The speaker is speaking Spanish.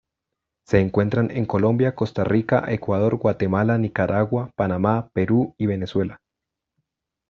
Se encuentran en Colombia, Costa Rica, Ecuador, Guatemala, Nicaragua, Panamá, Perú, y Venezuela.